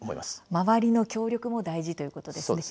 周りの協力も大事ということですね。